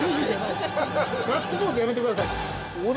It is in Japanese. ガッツポーズやめてください。